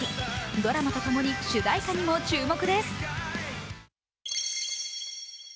ドラマとともに主題歌にも注目です。